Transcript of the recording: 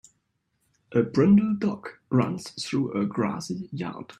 A brindle dog runs through a grassy yard